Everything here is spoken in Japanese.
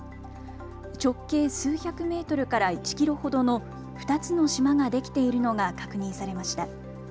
直径数百メートルから１キロほどの２つの島ができているのが確認されました。